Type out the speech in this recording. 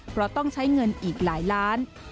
เพราะต้องใช้เงินอีกหลายล้าน